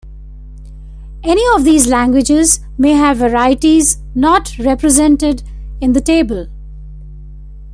Any of these languages may have varieties not represented in the table.